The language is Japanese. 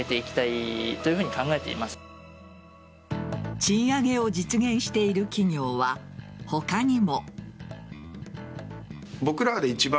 賃上げを実現している企業は他にも。